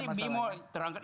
iya oke itu tadi bimo terangkan